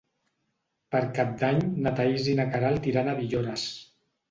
Per Cap d'Any na Thaís i na Queralt iran a Villores.